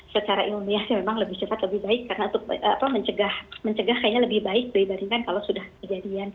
secara ilmiah sih memang lebih cepat lebih baik karena untuk mencegah kayaknya lebih baik dibandingkan kalau sudah kejadian